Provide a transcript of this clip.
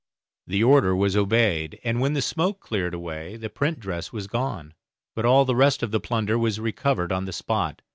The order was obeyed and when the smoke cleared away the print dress was gone, but all the rest of the plunder was recovered on the spot.